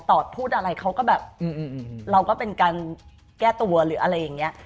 อดพูดอะไรเขาก็แบบเราก็เป็นการแก้ตัวหรืออะไรอย่างนี้